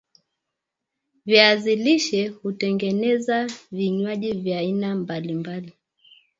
viazi lishe hutengeneza vinywaji vya aina mbalimbali